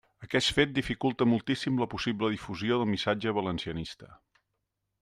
Aquest fet dificulta moltíssim la possible difusió del missatge valencianista.